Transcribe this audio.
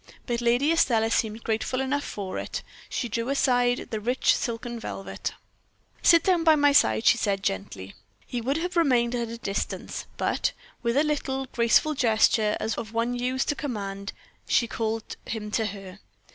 But Lady Estelle seemed grateful enough for it. She drew aside the rich silk and velvet. "Sit down by my side," she said, gently. He would have remained at a distance; but, with a little, graceful gesture, as of one used to command, she called him to her.